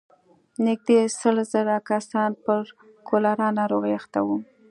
نږدې سل زره کسان پر کولرا ناروغۍ اخته وو.